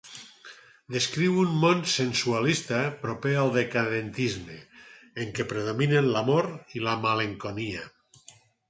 Descriu un món sensualista, proper al decadentisme, en què predominen l'amor i la malenconia.